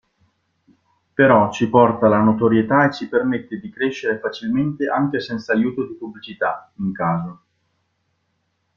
Però ci porta la notorietà e ci permette di crescere facilmente anche senza aiuto di pubblicità, in caso.